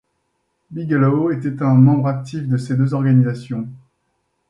Bigelow était un membre actif de ces deux organisations.